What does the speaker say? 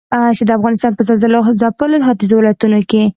چې د افغانستان په زلزلهځپلو ختيځو ولايتونو کې